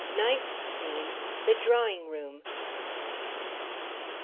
NINTH SCENE. The Drawing Room.